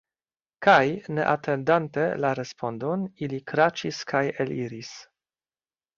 Kaj, ne atendante la respondon, li kraĉis kaj eliris.